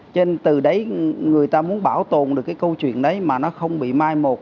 vậy nên từ đấy người ta muốn bảo tồn được câu chuyện đấy mà nó không bị mai một